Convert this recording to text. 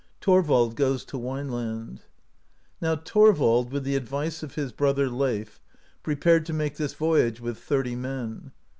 THORVALD GOES TO WINELAND. Now Thorvald, with the advice of his brother, Leif, prepared to make this voyage with thirty men.